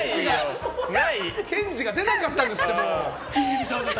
ケンジが出なかったんですって。